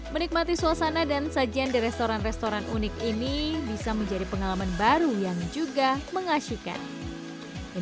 menikmati suasana dan sajian di restoran restoran unik ini bisa menjadi pengalaman baru yang juga mengasihkan